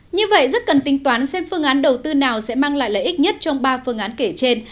như vậy rất cần tính toán xem phương án đầu tư nào sẽ mang lại lợi ích nhất trong ba phương án kể trên